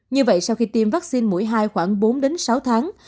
như vậy sau khi tiêm vaccine mũi hai khoảng bốn sáu tháng